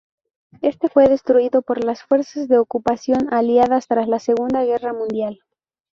Éste fue destruido por las fuerzas de ocupación aliadas tras la Segunda Guerra Mundial.